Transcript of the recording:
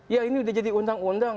ya ini udah jadi undang undang